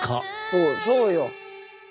そうそうよ。